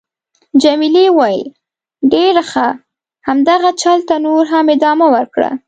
جميلې وويل:: ډېر ښه. همدغه چل ته نور هم ادامه ورکړه.